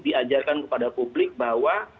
diajarkan kepada publik bahwa